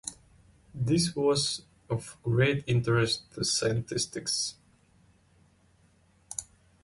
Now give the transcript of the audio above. This was of great interest to scientists.